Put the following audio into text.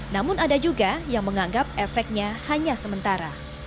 namun ada juga yang menganggap efeknya hanya sementara